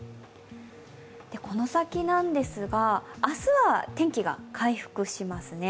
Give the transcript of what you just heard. この先なんですが、明日は天気が回復しますね。